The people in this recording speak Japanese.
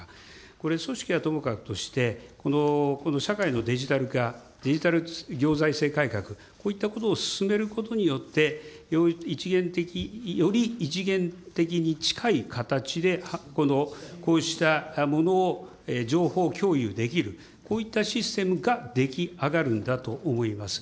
これ、組織はともかくとして、この社会のデジタル化、デジタル行財政改革、こういったことを進めることによって、一元的、より一元的に近い形でこうしたものを情報共有できる、こういったシステムが出来上がるんだと思います。